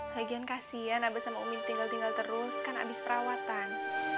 lagian kasian habis sama omin tinggal tinggal terus kan abis perawatan